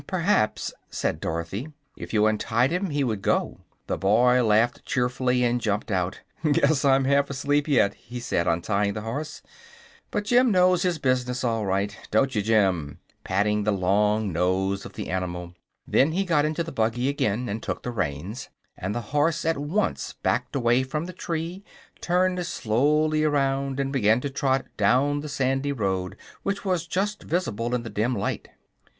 "Perhaps," said Dorothy, "if you untied him, he would go." The boy laughed cheerfully and jumped out. "Guess I'm half asleep yet," he said, untying the horse. "But Jim knows his business all right don't you, Jim?" patting the long nose of the animal. Then he got into the buggy again and took the reins, and the horse at once backed away from the tree, turned slowly around, and began to trot down the sandy road which was just visible in the dim light.